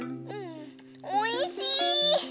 おいしい！